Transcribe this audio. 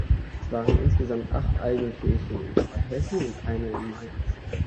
Es waren insgesamt acht Eigenkirchen in Oberhessen und eine in Mainz.